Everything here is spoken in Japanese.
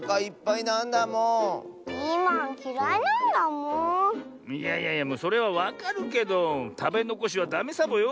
いやいやいやそれはわかるけどたべのこしはダメサボよ。